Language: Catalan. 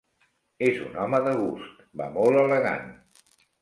És un home de gust: va molt elegant.